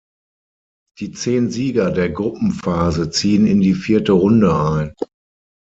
Die zehn Sieger der Gruppenphase ziehen in die vierte Runde ein.